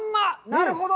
なるほど。